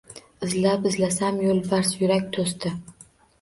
Izillab izlasam yo’lbarsyurak doʼst